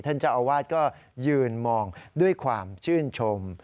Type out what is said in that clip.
ท่านเจ้าอาวาสก็ยืนมองด้วยความชื่นชม